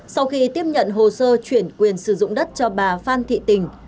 sau khi tiếp nhận hồ sơ chuyển quyền sử dụng đất cho bà phan thị tình